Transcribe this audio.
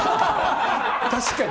確かに。